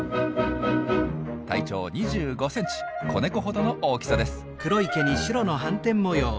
体長２５センチ子猫ほどの大きさです。